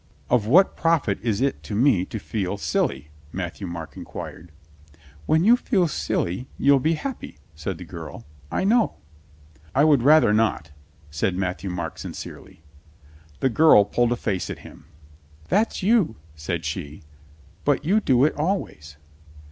"Of what profit is it to me to feel silly.?" Mat thieu Marc inquired. "When you feel silly you'll be happy," said the girl. "I know." "I would rather not," said Matthieu Marc sin cerely. The girl pulled a face at him. "That's you," said she. "But you do it always."